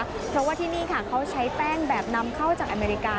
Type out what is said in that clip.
เพราะว่าที่นี่ค่ะเขาใช้แป้งแบบนำเข้าจากอเมริกา